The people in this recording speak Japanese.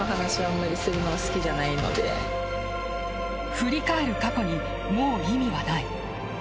振り返る過去にもう意味はない。